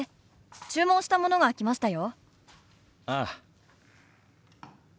注文したものが来ましたよ。